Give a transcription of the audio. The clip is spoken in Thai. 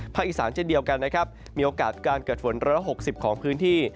อีสานเช่นเดียวกันนะครับมีโอกาสการเกิดฝน๑๖๐ของพื้นที่